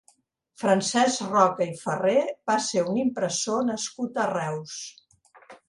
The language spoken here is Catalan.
Francesc Roca i Ferrer va ser un impressor nascut a Reus.